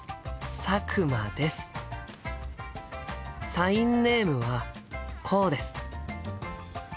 サインネームはこうです。